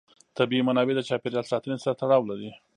طبیعي منابع د چاپېر یال ساتنې سره تړاو لري.